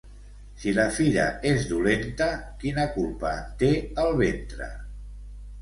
Si la fira és dolenta, quina culpa en té el ventre?